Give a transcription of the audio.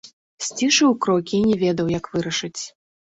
Сцішыў крокі і не ведаў, як вырашыць.